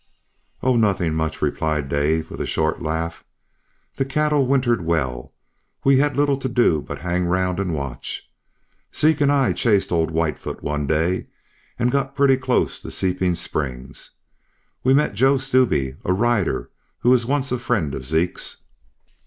"Oh, nothing much," replied Dave, with a short laugh. "The cattle wintered well. We've had little to do but hang round and watch. Zeke and I chased old Whitefoot one day, and got pretty close to Seeping Springs. We met Joe Stube, a rider who was once a friend of Zeke's.